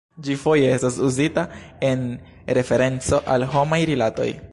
Ĝi foje estas uzita en referenco al homaj rilatoj.